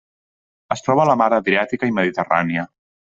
Es troba a la Mar Adriàtica i Mediterrània.